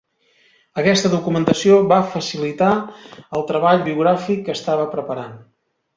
Aquesta documentació va facilitar el treball biogràfic que estava preparant.